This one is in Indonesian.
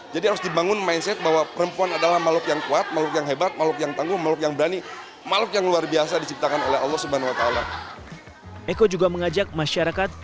jadi harus dibangun mindset bahwa perempuan adalah mahluk yang kuat mahluk yang hebat mahluk yang tangguh mahluk yang berani mahluk yang luar biasa diciptakan oleh allah swt